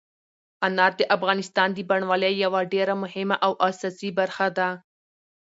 انار د افغانستان د بڼوالۍ یوه ډېره مهمه او اساسي برخه ده.